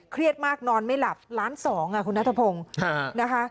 เครียดมากนอนไม่หลับล้านสองอ่ะคุณนัทพงศ์นะคะ